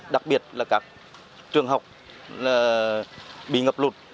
đặc biệt là các trường học bị ngập lụt